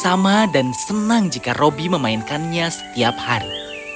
dan itu akan menjadikan robi bersama dan senang jika robi memainkannya setiap hari